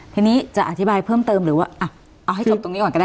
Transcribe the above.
ทีนี้จะอธิบายเพิ่มเติมหรือว่าเอาให้จบตรงนี้ก่อนก็ได้